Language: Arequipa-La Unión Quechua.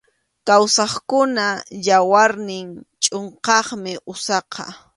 Kawsaqkunap yawarnin chʼunqaqmi usaqa.